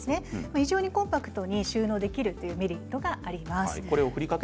非常にコンパクトに収納できるメリットがあります。